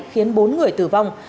khiến bốn người tử vong